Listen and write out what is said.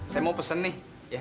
saya mau pesan nih